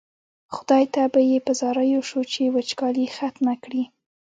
خدای ته به یې په زاریو شو چې وچکالي ختمه کړي.